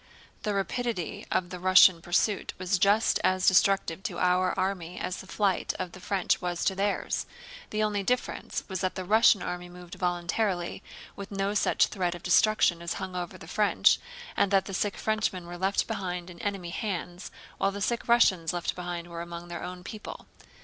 The rapidity of the Russian pursuit was just as destructive to our army as the flight of the French was to theirs. The only difference was that the Russian army moved voluntarily, with no such threat of destruction as hung over the French, and that the sick Frenchmen were left behind in enemy hands while the sick Russians left behind were among their own people.